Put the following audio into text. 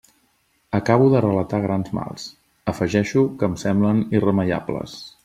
Acabo de relatar grans mals; afegeixo que em semblen irremeiables.